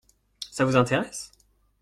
Ça vous intéresse ?